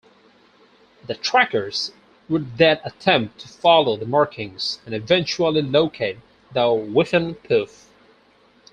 The trackers would then attempt to follow the markings, and eventually locate the Whiffenpoof.